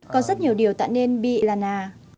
còn rất nhiều điều tạm nên bị là nà